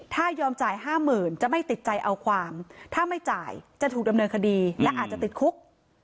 ถ้ายอมจ่าย๕๐๐๐จะไม่ติดใจเอาความถ้าไม่จ่ายจะถูกดำเนินคดีและอาจจะติดคุก